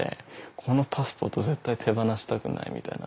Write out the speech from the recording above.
このパスポート絶対手放したくないみたいな。